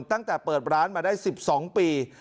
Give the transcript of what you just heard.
ตั้งแต่เปิดร้านมาได้๑๒ปี